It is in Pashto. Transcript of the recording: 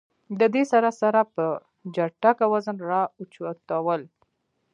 د دې سره سره پۀ جټکه وزن را اوچتول